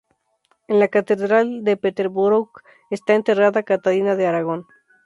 En la catedral de Peterborough está enterrada Catalina de Aragón.